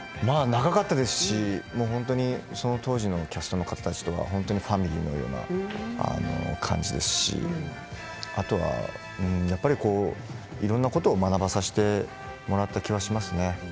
長かったですしその当時のキャストの方々とはファミリーのような感じですしあとは、いろんなことを学ばさせてもらった気がしますね。